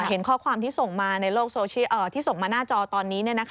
เห็นข้อความที่ส่งมาในโลกที่ส่งมาหน้าจอตอนนี้